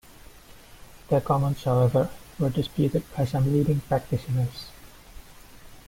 Their comments, however, were disputed by some leading practitioners.